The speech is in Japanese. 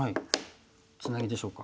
ツナギでしょうか？